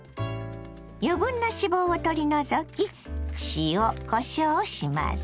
余分な脂肪を取り除き塩こしょうをします。